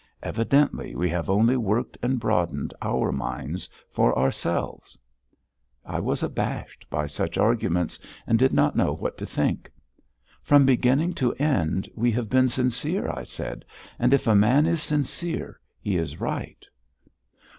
Evidently we have only worked and broadened our minds for ourselves." I was abashed by such arguments and did not know what to think. "From beginning to end we have been sincere," I said, "and if a man is sincere, he is right."